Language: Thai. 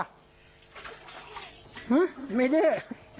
หึไม่ดื้อ